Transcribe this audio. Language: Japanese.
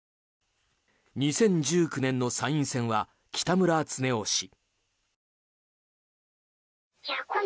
２０１９年の参院選は北村経夫氏。